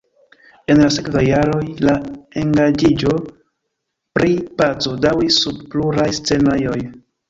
En la sekvaj jaroj la engaĝiĝo pri paco daŭris sur pluraj scenejoj.